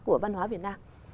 của văn hóa việt nam